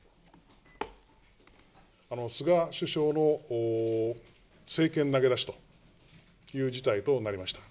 菅首相の政権投げ出しという事態となりました。